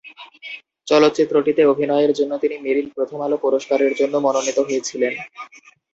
চলচ্চিত্রটিতে অভিনয়ের জন্য তিনি মেরিল-প্রথম আলো পুরস্কারের জন্য মনোনীত হয়েছিলেন।